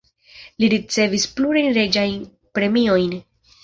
Li ricevis plurajn reĝajn premiojn.